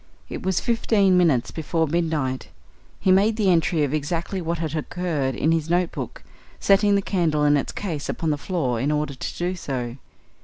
It was fifteen minutes before midnight; he made the entry of exactly what had occurred in his notebook, setting the candle in its case upon the floor in order to do so.